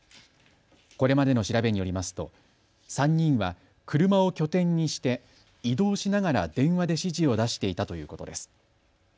これまでの調べによりますと３人は車を拠点にして移動しながら電話で指示を出していたということです。